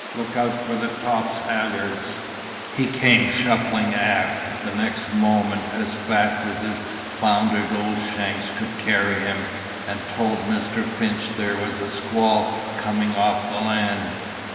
Look out for the tops'l hawl yards!' "He came shuffling aft the next moment as fast as his foundered old shanks could carry him, and told Mr. Finch there was a squall coming off the land.